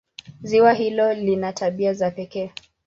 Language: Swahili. Ziwa hilo lina tabia za pekee.